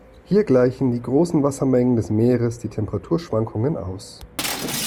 Hier gleichen die großen Wassermengen des Meeres die Temperaturschwankungen aus.